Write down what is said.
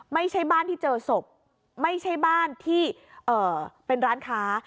ไม่ใช่บ้านที่เจอศพไม่ใช่บ้านที่เป็นร้านค้า